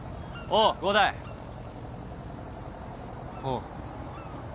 おう。